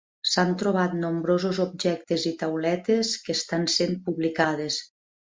S'han trobat nombrosos objectes i tauletes que estan sent publicades.